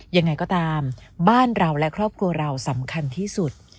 ยังไงก็ตามบ้านเราและครอบครัวเราสำคัญที่สุด